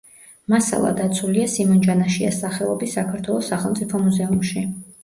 მასალა დაცულია სიმონ ჯანაშიას სახელობის საქართველოს სახელმწიფო მუზეუმში.